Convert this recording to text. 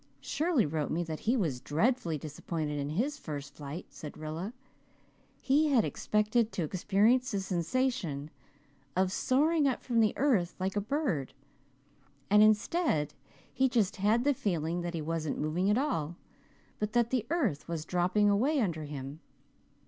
"Shirley wrote me that he was dreadfully disappointed in his first flight," said Rilla. "He had expected to experience the sensation of soaring up from the earth like a bird and instead he just had the feeling that he wasn't moving at all, but that the earth was dropping away under him.